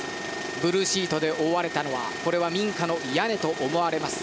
ブルーシートで覆われたのは民家の屋根と思われます。